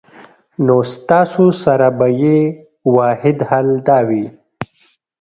نو ستاسو سره به ئې واحد حل دا وي